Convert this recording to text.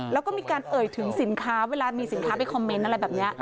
แล้วก็มีการเอ่ยถึงสินค้าเวลามีสินค้าไปคอมเมนต์อะไรแบบนี้